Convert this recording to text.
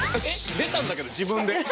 出たんだけど自分で。